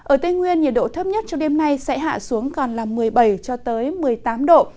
ở tây nguyên nhiệt độ thấp nhất cho đêm nay sẽ hạ xuống còn là một mươi bảy cho tới một mươi tám độ